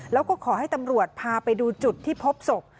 แล้วก็ขอให้ตำรวจพาไปดูจุดที่พบศพ